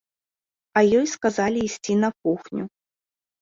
А ёй сказалі ісці на кухню.